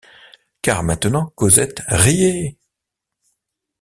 Car maintenant Cosette riait.